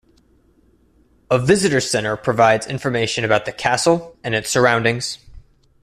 A visitors centre provides information about the castle and its surroundings.